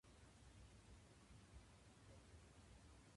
ゴムゴムのピストル!!!